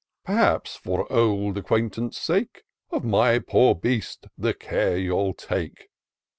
Perhaps, for old acquaintance sake, Of my poor beast the care you'll take."